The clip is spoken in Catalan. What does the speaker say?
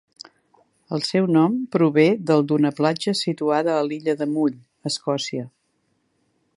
El seu nom prové del d'una platja situada a l'illa de Mull, a Escòcia.